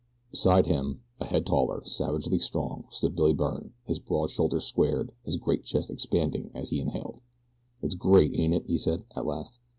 Beside him, a head taller, savagely strong, stood Billy Byrne, his broad shoulders squared, his great chest expanding as he inhaled. "It's great, ain't it?" he said, at last.